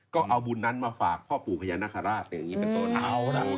ก็เอาบุญนั้นมาฝากพ่อปู่พญานาคาราชอย่างนี้เป็นต้นเอาล่ะ